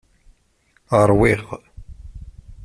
Ṛwiɣ.